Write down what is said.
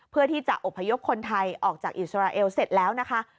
เพื่อที่จะอบพยพคนไทยออกจากอิสราเอลเสร็จแล้วนะคะ